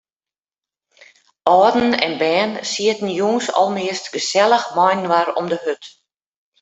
Alden en bern sieten jûns almeast gesellich mei-inoar om de hurd.